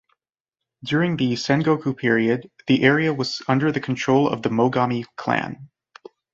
During the Sengoku period, the area was under the control of the Mogami clan.